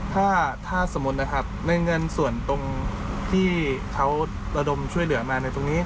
ถ้าสมมุตินะครับในเงินส่วนตรงที่เขาระดมช่วยเหลือมาในตรงนี้